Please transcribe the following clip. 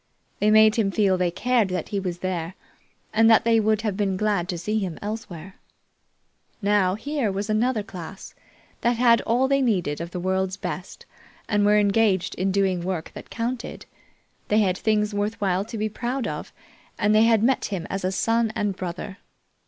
They made him feel they cared that he was there, and that they would have been glad to see him elsewhere. Now here was another class, that had all they needed of the world's best and were engaged in doing work that counted. They had things worth while to be proud of; and they had met him as a son and brother.